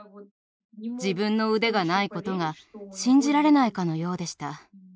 自分の腕がないことが信じられないかのようでした。